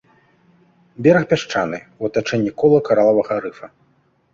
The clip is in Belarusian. Бераг пясчаны, у атачэнні кола каралавага рыфа.